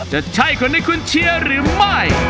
จะใช่คนที่คุณเชียร์หรือไม่